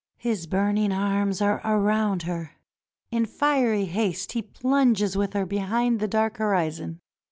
His burning arms are around her. In fiery haste he plunges with her behind the dark horizon.